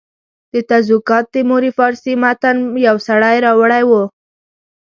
د تزوکات تیموري فارسي متن یو سړي راوړی وو.